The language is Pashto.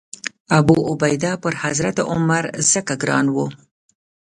ابوعبیده پر حضرت عمر ځکه ګران و.